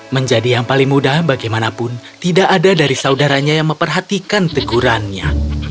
menjadi yang paling mudah bagaimanapun tidak ada dari saudaranya yang memperhatikan tegurannya